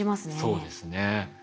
そうですね。